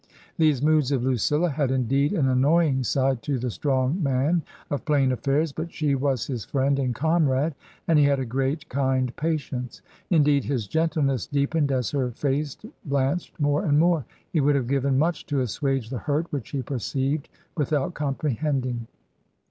These moods of Lucilla had indeed an annoying side to the strong man of plain affairs, but she was his friend and comrade, and he had a great, kind patience. Indeed, his gentleness deepened as her face blanched more and more. He would have given much to assuage the hurt which he perceived without comprehending.